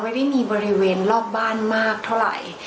ไม่ได้มีบริเวณรอบบ้านมากเท่าไหร่